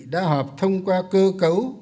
đã họp thông qua cơ cấu